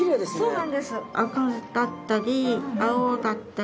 そうなんです。